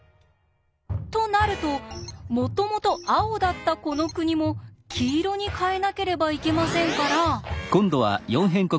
となるともともと青だったこの国も黄色に変えなければいけませんから。